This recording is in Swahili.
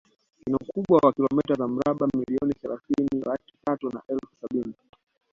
Ina ukubwa wa kilomita za mraba milioni thelathini laki tatu na elfu sabini